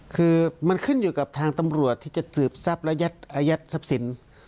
คือมันขึ้นอยู่กับทางตำรวจที่จะสืบทรัพย์และอายัดทรัพย์สิน